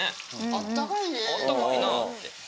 あったかいなって。